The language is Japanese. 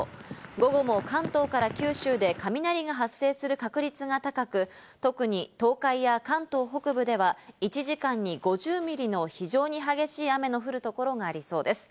午後も関東から九州で雷が発生する確率が高く、特に東海や関東北部では、１時間に５０ミリの非常に激しい雨の降る所がありそうです。